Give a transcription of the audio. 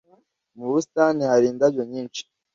Mu busitani hari indabyo nyinshi.